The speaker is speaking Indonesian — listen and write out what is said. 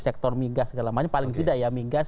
sektor mingas segala macam paling tidak ya mingas